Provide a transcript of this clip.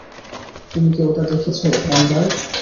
তুমি কি ওটা দেখেছো, এম্বার?